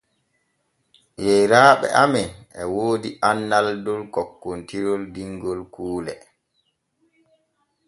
Yeyraaɓe amen e woodi annal dow kokkontirol dingol kuule.